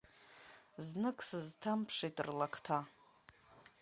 Знык сызҭамԥшит рлакҭа.